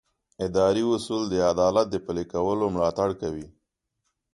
اداري اصول د عدالت د پلي کولو ملاتړ کوي.